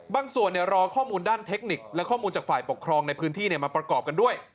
รอข้อมูลด้านเทคนิคและข้อมูลจากฝ่ายปกครองในพื้นที่มาประกอบกันด้วย